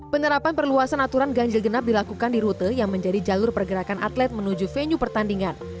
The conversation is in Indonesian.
penerapan perluasan aturan ganjil genap dilakukan di rute yang menjadi jalur pergerakan atlet menuju venue pertandingan